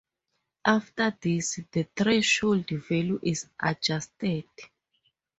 After this, the threshold value is adjusted.